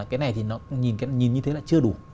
cái này thì nó nhìn như thế là chưa đủ